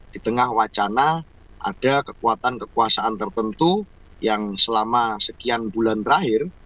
di tengah wacana ada kekuatan kekuasaan tertentu yang selama sekian bulan terakhir